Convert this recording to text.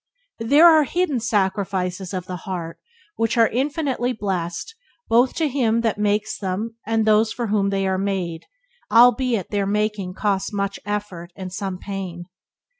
There are hidden sacrifices of the heart which are infinitely blessed both to him that makes them and those for whom they are made, albeit their making costs much effort and some pain.